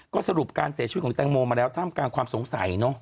ก็สรุปการเสียชีวิตของแตงโมมาแล้วท่ามกลางความสงสัยเนอะ